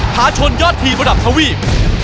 พาชนยอดทีมระดับทวีป